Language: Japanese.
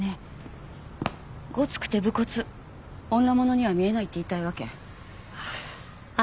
ごつくて武骨女物には見えないって言いたいわけ？